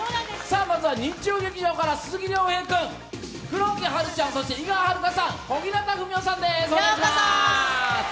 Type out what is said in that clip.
まずは日曜劇場から鈴木亮平君、黒木華ちゃん、井川遥さん、小日向文世さんです。